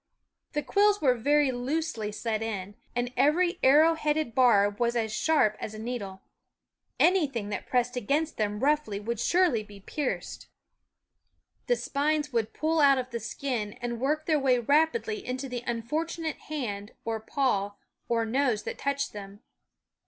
The quills were very loosely set in, and every arrow headed barb was as sharp as a needle. Anything that pressed against them roughly would surely be pierced ; the spines would pull out of the skin, and work their way rapidly into the unfortunate hand or paw or nose that touched them.